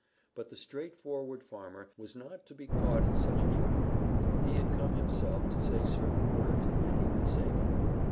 But the straightforward farmer was not to be caught in such a trap. He had come himself to say certain words and he would say them.